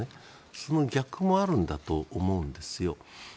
その逆もあるんだと思うんですよ。